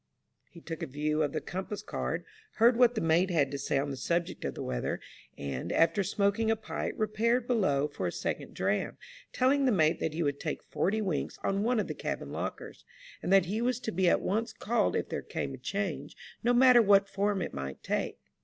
He took a view of the compass card, heard what the mate had to say on the subject of the weather, and, after smoking a pipe, repaired below for a second dram, telling the mate that he would take forty winks on one of the cabin lockers, and that he was to be at once called if there came a change, no matter what form it might take.